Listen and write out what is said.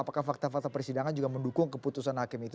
apakah fakta fakta persidangan juga mendukung keputusan hakim itu